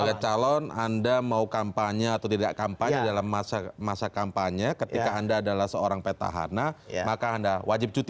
sebagai calon anda mau kampanye atau tidak kampanye dalam masa kampanye ketika anda adalah seorang petahana maka anda wajib cuti